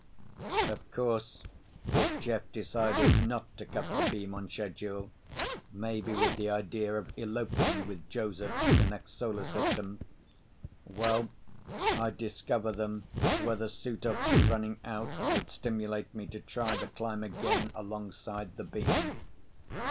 Of course if Jeff decided not to cut the beam on schedule, maybe with the idea of eloping with Joseph to the next solar system—well, I'd discover then whether suit oxy running out would stimulate me to try the climb again alongside the beam.